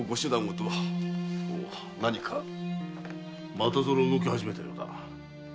またぞろ動き始めたようだ。